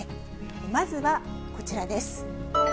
まずはこちらです。